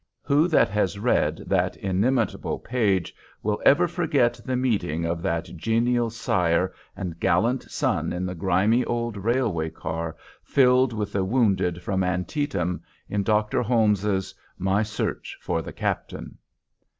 Who that has read that inimitable page will ever forget the meeting of that genial sire and gallant son in the grimy old railway car filled with the wounded from Antietam, in Doctor Holmes's "My Search for the Captain?"